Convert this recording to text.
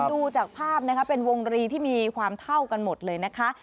ดูจากภาพนะคะเป็นวงรีที่มีความเท่ากันหมดเลยนะคะ